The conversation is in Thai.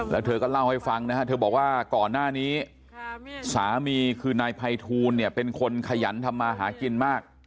แล้วเธอก็เล่าให้ฟังนะฮะเธอบอกว่าก่อนหน้านี้สามีคือนายภัยทูลเนี่ยเป็นคนขยันทำมาหากินมาก